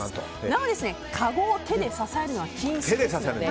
なお、かごを手で支えるのは禁止ですので。